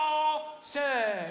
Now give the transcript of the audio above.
せの！